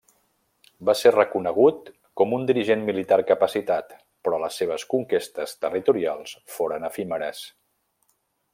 Va ser reconegut com un dirigent militar capacitat, però les seves conquestes territorials foren efímeres.